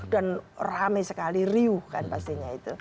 dan rame sekali riuh kan pastinya itu